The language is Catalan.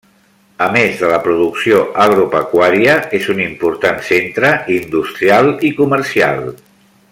A més de la producció agropecuària és un important centre industrial i comercial.